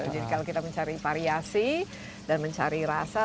jadi kalau kita mencari variasi dan mencari rasa